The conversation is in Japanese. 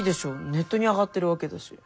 ネットに上がってるわけだし。